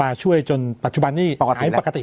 อายุก็ไม่กี่